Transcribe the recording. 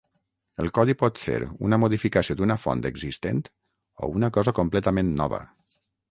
El codi pot ser una modificació d'una font existent o una cosa completament nova.